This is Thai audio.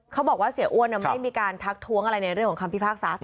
ก็บอกว่าเสียอ้วนไม่มีการทักท้วงของพี่ภาคศาสน์